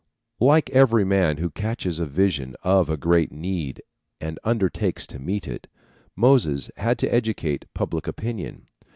Like every man who catches a vision of a great need and undertakes to meet it, Moses had to educate public opinion.